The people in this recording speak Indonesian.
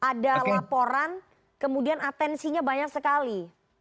ada laporan kemudian atensinya banyak sekali